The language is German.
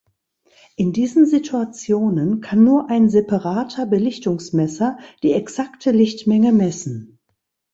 In diesen Situationen kann nur ein separater Belichtungsmesser die exakte Lichtmenge messen.